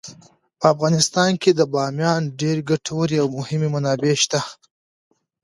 په افغانستان کې د بامیان ډیرې ګټورې او مهمې منابع شته.